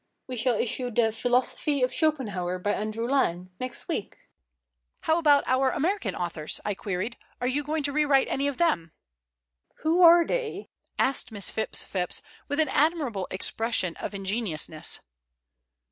We shall issue the Philosophy of Schopenhauer by Andrew Lang next week." "How about our American authors?" I queried. "Are you going to rewrite any of them?" "Who are they?" asked Miss Phipps Phipps, with an admirable expression of ingenuousness.